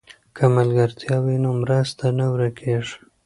که ملګرتیا وي نو مرسته نه ورکېږي.